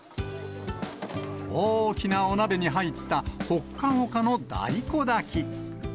大きなお鍋に入ったほっかほかの大根だき。